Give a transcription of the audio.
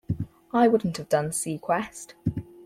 I wouldn't have done "seaQuest".